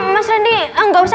mas randy enggak usah